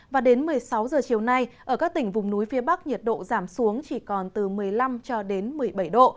và đến một mươi sáu giờ chiều nay ở các tỉnh vùng núi phía bắc nhiệt độ giảm xuống chỉ còn từ một mươi năm cho đến một mươi bảy độ